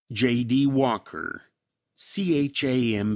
J. D. Walker, Cham.